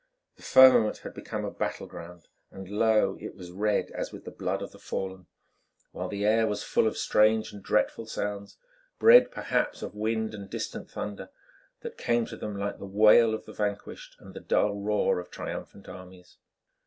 The firmament had become a battle ground, and lo! it was red as with the blood of the fallen, while the air was full of strange and dreadful sounds, bred, perhaps, of wind and distant thunder, that came to them like the wail of the vanquished and the dull roar of triumphant armies.